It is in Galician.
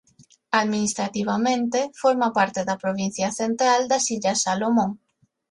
Administrativamente forma parte da Provincia Central das Illas Salomón.